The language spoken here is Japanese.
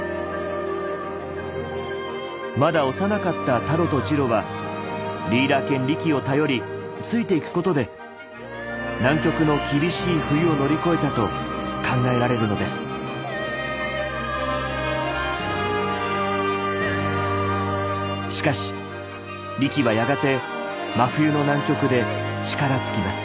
まだ幼かったタロとジロはリーダー犬リキを頼りついていくことで南極の厳しい冬を乗り越えたと考えられるのですしかしリキはやがて真冬の南極で力尽きます。